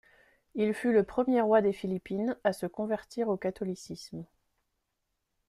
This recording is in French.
Il fut le premier roi des Philippines à se convertir au catholicisme.